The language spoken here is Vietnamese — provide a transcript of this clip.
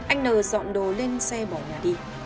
anh nờ dọn đồ lên xe bỏ nhà đi